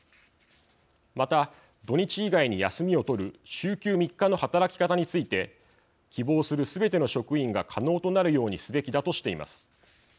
また土日以外に休みを取る週休３日の働き方について希望するすべての職員が可能となるようにすべきだとしています。